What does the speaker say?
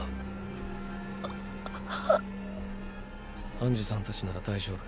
ハンジさんたちなら大丈夫。